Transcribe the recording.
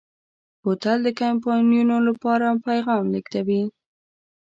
بوتل د کمپاینونو لپاره پیغام لېږدوي.